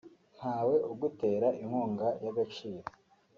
ntawe ugutera inkunga y’agaciro